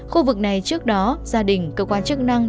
khu vực này trước đó gia đình cơ quan chức năng